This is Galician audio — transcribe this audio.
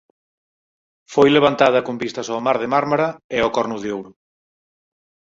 Foi levantada con vistas ao Mar de Mármara e ao Corno de Ouro.